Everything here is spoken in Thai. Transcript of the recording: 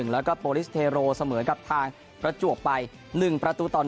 แล้วก็โปรลิสเทโรเสมอกับทางประจวบไป๑ประตูต่อ๑